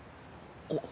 あっ。